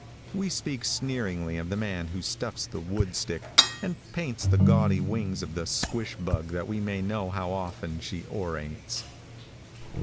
We speak sneeringly of the man who stuffs the woodtick, and paints the gaudy wings of the squash bug that we may know how often she orates.